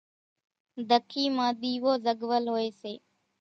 ڌکي مان ۮيوو زڳول ھوئي سي۔